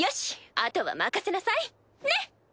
あとは任せなさいね。